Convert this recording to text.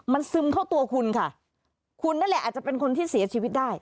มันซึมเข้าตัวคุณค่ะคุณนั่นแหละอาจจะเป็นคนที่เสียชีวิตได้